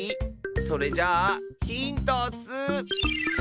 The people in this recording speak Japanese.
それじゃあヒントッス！